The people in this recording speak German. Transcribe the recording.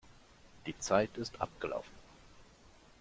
Die Zeit ist abgelaufen.